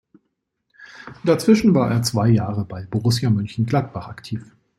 Dazwischen war er zwei Jahre bei Borussia Mönchengladbach aktiv.